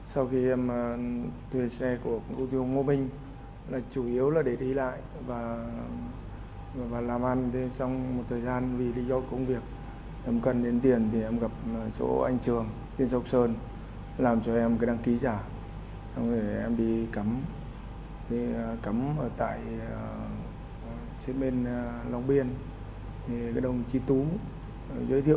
các bạn hãy đăng ký kênh để ủng hộ kênh của chúng mình nhé